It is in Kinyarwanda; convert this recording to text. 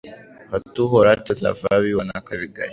hato Uhoraho atavaho abibona akabigaya